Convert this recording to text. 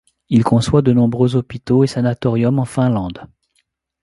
Il conçoit de nombreux hôpitaux et sanatoriums en Finlande.